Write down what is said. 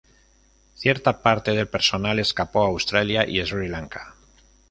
Cierta parte del personal escapó a Australia y Sri Lanka.